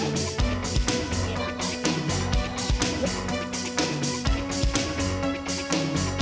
banyak filmnya nih